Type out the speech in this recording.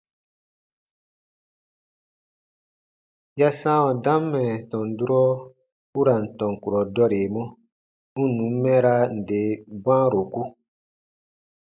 Ya sãawa dam mɛ̀ tɔn durɔ u ra n tɔn kurɔ dɔremɔ, u n nùn mɛɛraa nde bwãaroku.